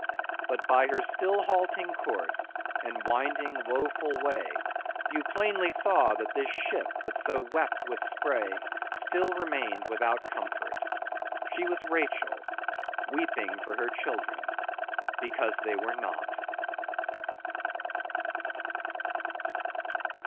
But by her still halting course and winding, woeful way, you plainly saw that this ship that so wept with spray, still remained without comfort. She was Rachel, weeping for her children, because they were not.